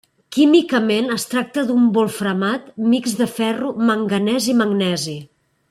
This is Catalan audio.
Químicament es tracta d'un wolframat mixt de ferro, manganès i magnesi.